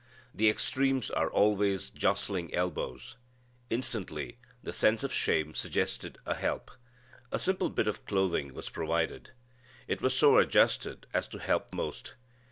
The extremes are always jostling elbows. Instantly the sense of shame suggested a help. A simple bit of clothing was provided. It was so adjusted as to help most.